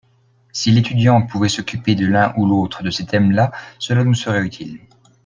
si l'étudiante pouvait s'occuper de l'un ou l'autre de ces thèmes-là cela nous serait utile.